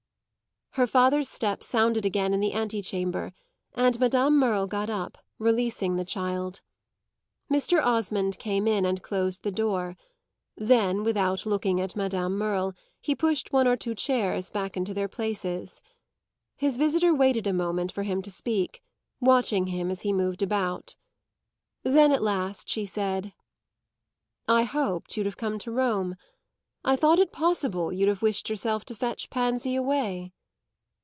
Her father's step sounded again in the antechamber, and Madame Merle got up, releasing the child. Mr. Osmond came in and closed the door; then, without looking at Madame Merle, he pushed one or two chairs back into their places. His visitor waited a moment for him to speak, watching him as he moved about. Then at last she said: "I hoped you'd have come to Rome. I thought it possible you'd have wished yourself to fetch Pansy away."